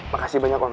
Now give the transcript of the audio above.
makasih banyak om